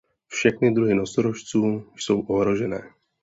Všechny druhy nosorožců jsou ohrožené.